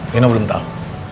nino belum tau